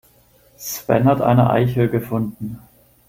Sven hat eine Eichel gefunden.